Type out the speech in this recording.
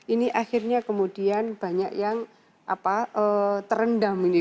ini akhirnya kemudian banyak yang terendam ini